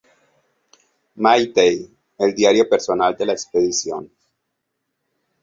Mattei el diario personal de la expedición.